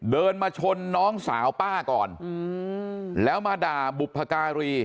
เดินมาชนน้องสาวป้าก่อนแล้วมาด่าบุพการี